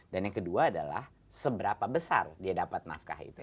dan yang kedua adalah seberapa besar dia dapat nafkah itu